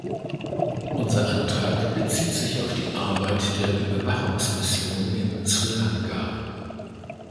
Unser Antrag bezieht sich auf die Arbeit der Überwachungsmission in Sri Lanka.